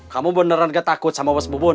kamu beneran gak takut sama bos bu bun